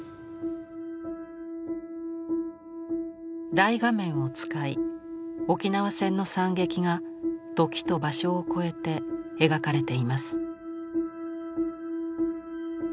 大画面を使い沖縄戦の惨劇が時と場所を超えて描かれています。